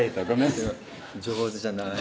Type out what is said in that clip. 上手じゃない？